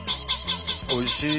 おいしい！